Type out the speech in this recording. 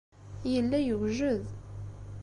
Yella yewjed.